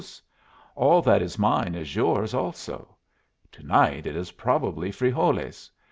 All that is mine is yours also. To night it is probably frijoles.